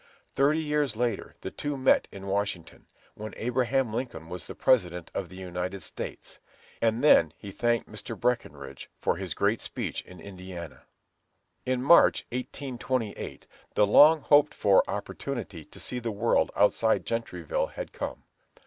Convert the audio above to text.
Thirty years later the two met in Washington, when Abraham Lincoln was the President of the United States; and then he thanked Mr. Breckenridge for his great speech in Indiana. In March, 1828, the long hoped for opportunity to see the world outside of Gentryville had come.